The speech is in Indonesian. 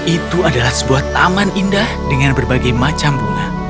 itu adalah sebuah taman indah dengan berbagai macam bunga